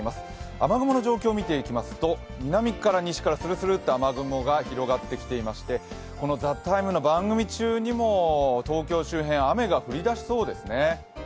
雨雲の状況を見ていきますと南から西から雨雲が広がってきていまして、「ＴＨＥＴＩＭＥ，」の番組中にも東京周辺、雨が降り出しそうですね